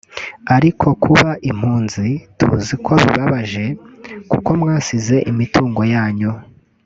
ariko kuba impunzi tuziko bibabaje kuko mwasize imitungo yanyu